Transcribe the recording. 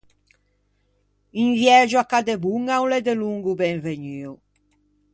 Un viægio à Cadeboña o l'é delongo benvegnuo.